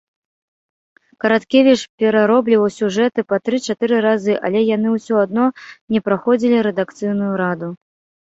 Караткевіч пераробліваў сюжэты па тры-чатыры разы, але яны ўсё адно не праходзілі рэдакцыйную раду.